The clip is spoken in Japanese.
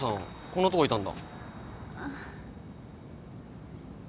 こんなとこいたんだ。